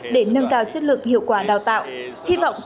để nâng cao chất lượng hiệu quả đào tạo